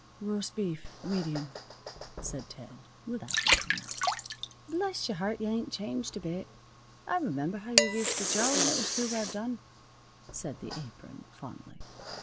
"Roast beef, medium," said Ted, without looking up. "Bless your heart, yuh ain't changed a bit. I remember how yuh used to jaw when it was too well done," said the Apron, fondly.